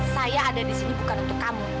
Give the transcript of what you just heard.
saya ada di sini bukan untuk kamu